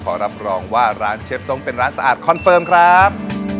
รับรองว่าร้านเชฟทรงเป็นร้านสะอาดคอนเฟิร์มครับ